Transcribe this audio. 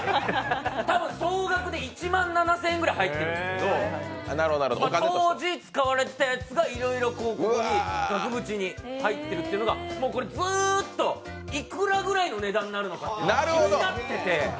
多分、総額で１万７０００円ぐらい入ってるんですけど当時、使われたやつがいろいろ額縁に入っているというのがずーっと、いくらぐらいの値段になるのかが気になってて。